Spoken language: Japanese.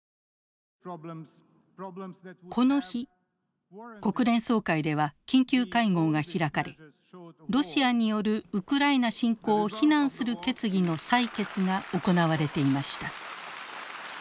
この日国連総会では緊急会合が開かれロシアによるウクライナ侵攻を非難する決議の採決が行われていました。